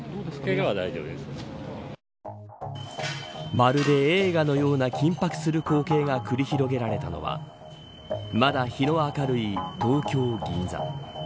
まるで映画のような緊迫する光景が繰り広げられたのはまだ日の明るい東京、銀座。